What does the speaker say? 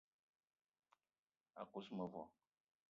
A kuz mevo